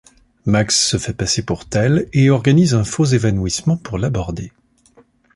Max se fait passer pour tel et organise un faux évanouissement pour l'aborder.